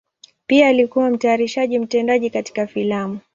Pia alikuwa mtayarishaji mtendaji katika filamu.